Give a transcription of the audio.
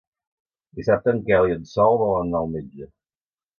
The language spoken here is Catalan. Dissabte en Quel i en Sol volen anar al metge.